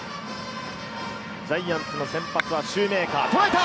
ジャイアンツの先発はシューメーカー、とらえた。